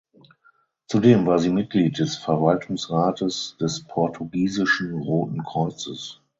Zudem war sie Mitglied des Verwaltungsrates des portugiesischen Roten Kreuzes.